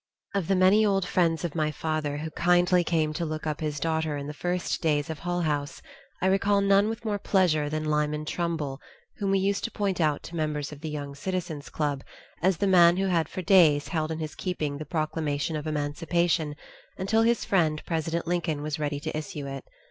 Of the many old friends of my father who kindly came to look up his daughter in the first days of Hull House, I recall none with more pleasure than Lyman Trumbull, whom we used to point out to members of the Young Citizen's Club as the man who had for days held in his keeping the Proclamation of Emancipation until his friend President Lincoln was ready to issue it.